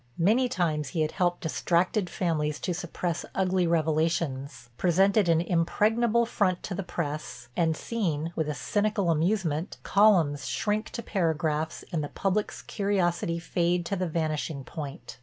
Many times he had helped distracted families to suppress ugly revelations, presented an impregnable front to the press, and seen, with a cynical amusement, columns shrink to paragraphs and the public's curiosity fade to the vanishing point.